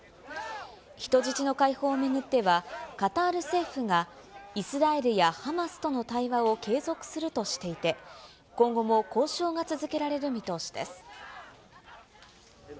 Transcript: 人質の解放を巡っては、カタール政府が、イスラエルやハマスとの対話を継続するとしていて、今後も交渉が続けられる見通しです。